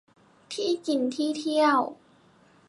ที่กินที่เที่ยว